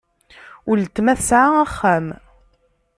Uletma tesɛa axxam.